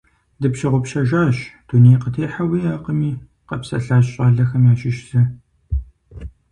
Дыпщыгъупщэжащ, дуней къытехьэ уиӀэкъыми, – къэпсэлъащ щӀалэхэм ящыщ зы.